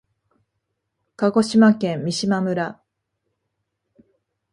鹿児島県三島村